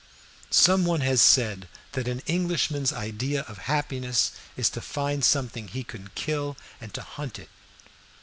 Some one has said that an Englishman's idea of happiness is to find something he can kill and to hunt it.